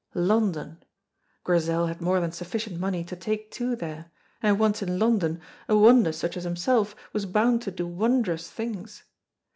London! Grizel had more than sufficient money to take two there, and once in London, a wonder such as himself was bound to do wondrous things.